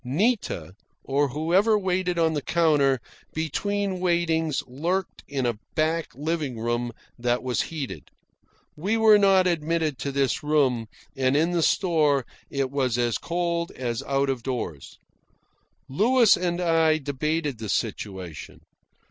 Nita, or whoever waited on the counter, between waitings lurked in a back living room that was heated. We were not admitted to this room, and in the store it was as cold as out of doors. Louis and I debated the situation.